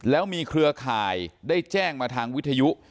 แล้วมีเครือข่ายได้แจ้งมาทางวิทยุ